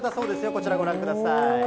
こちらご覧ください。